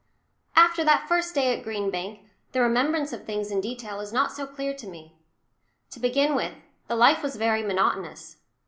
After that first day at Green Bank, the remembrance of things in detail is not so clear to me. To begin with, the life was very monotonous.